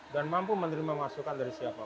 dan mampu menerima masukan dari siapapun